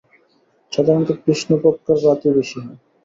সাধারণত কৃষ্ণপক্ষের রাতেই বেশি হয়।